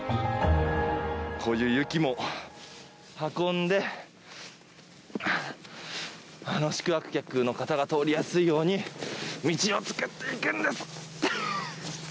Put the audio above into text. こういう雪も運んで宿泊客の方が通りやすいように道を作っていくんです。